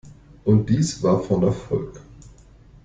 Und dies war von Erfolg.